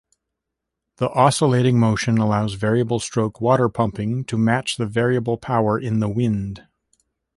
The oscillating motion allows variable-stroke waterpumping to match the variable power in the wind.